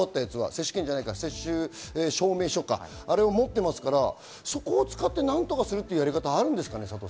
接種証明書か、あれを持っていますから、それを使って、何とかするという方法はあるんですかね？